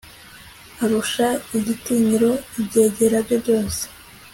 arusha igitinyiro ibyegera bye byose